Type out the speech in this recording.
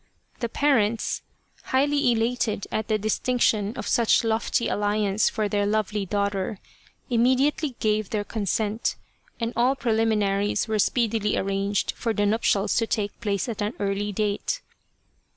The parents, highly elated at the distinction of such a lofty alliance for their lovely daughter, immediately gave their consent, and all preliminaries were speedily arranged for the nup tials to take place at an early date.